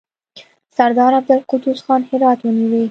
سردار عبدالقدوس خان هرات ونیوی.